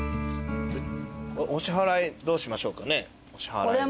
お支払いどうしましょうかね。